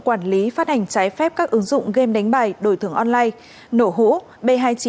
quản lý phát hành trái phép các ứng dụng game đánh bài đổi thưởng online nổ hũ b hai mươi chín